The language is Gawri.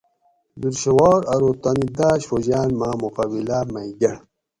دُرشھوار ارو تانی داۤش فوجیان ماۤں مقابلہ مئ گۤڑ